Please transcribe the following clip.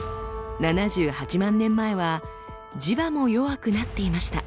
７８万年前は磁場も弱くなっていました。